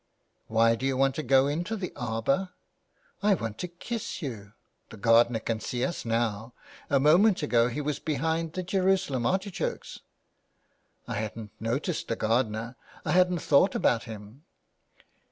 " Why do you want to go into the arbour ?"" I want to kiss you. .. The gardener can see us now ; a moment ago he was behind the Jerusalem artichokes." " I hadn't noticed the gardener ; I hadn't thought about him."